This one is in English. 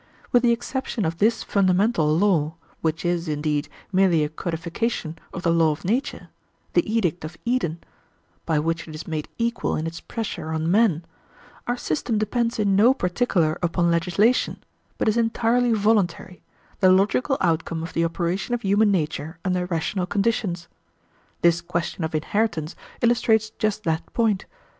With the exception of this fundamental law, which is, indeed, merely a codification of the law of nature the edict of Eden by which it is made equal in its pressure on men, our system depends in no particular upon legislation, but is entirely voluntary, the logical outcome of the operation of human nature under rational conditions. This question of inheritance illustrates just that point.